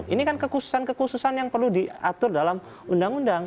ini kan kekhususan kekhususan yang perlu diatur dalam undang undang